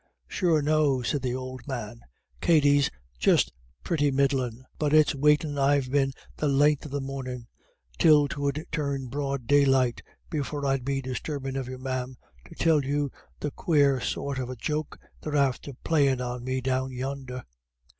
"Sure, no," said the old man; "Katty's just pretty middlin'. But it's waitin' I've been the len'th of the mornin', till 'twould turn broad daylight, before I'd be disturbin' of you, ma'am, to tell you the quare sort of a joke they're after playin' on me down yonder."